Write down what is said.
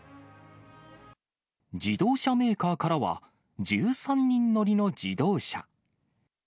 自動車メーカーからは、１３人乗りの自動車。